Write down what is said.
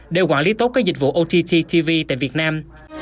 để quản lý tốt các dịch vụ ott tv tại việt nam